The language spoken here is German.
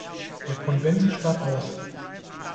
Der Konvent starb aus.